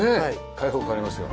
開放感ありますよ。